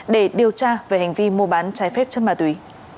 để điều tra về hành vi mua bán trái phép chất ma túy